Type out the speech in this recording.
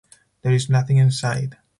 There is nothing inside.